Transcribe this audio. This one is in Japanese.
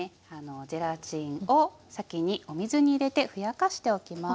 ゼラチンを先にお水に入れてふやかしておきます。